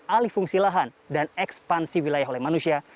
alih fungsi lahan dan ekspansi wilayah oleh manusia